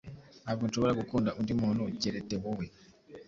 Ntabwo nshobora gukunda undi muntu kerete wowe